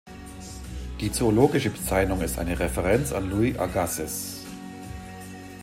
Die zoologische Bezeichnung ist eine Referenz an Louis Agassiz.